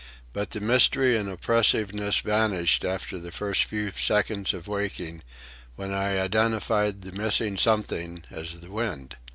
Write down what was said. But the mystery and oppressiveness vanished after the first few seconds of waking, when I identified the missing something as the wind.